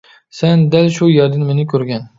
سەن دەل شۇ يەردىن مېنى كۆرگەن.